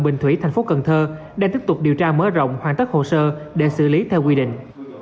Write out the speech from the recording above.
bình thủy thành phố cần thơ đang tiếp tục điều tra mở rộng hoàn tất hồ sơ để xử lý theo quy định